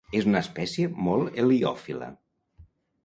És una espècie molt heliòfila.